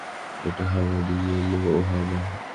ওটা Harvard, Yale, Omaha.